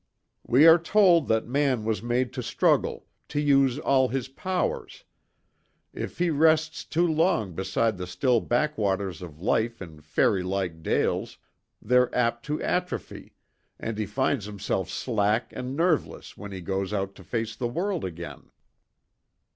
"We are told that man was made to struggle; to use all his powers. If he rests too long beside the still backwaters of life in fairylike dales, they're apt to atrophy, and he finds himself slack and nerveless when he goes out to face the world again."